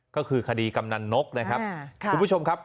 ก็คือคดีกำนันนกนะครับคุณผู้ชมครับ